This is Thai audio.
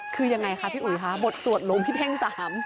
คือยังไงคะพี่อุ๋ยคะบทสวดหลวงพี่เท่งสาม